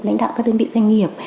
lãnh đạo các đơn vị doanh nghiệp